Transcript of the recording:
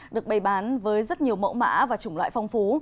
được bày bán với rất nhiều mẫu mã và chủng loại phong phú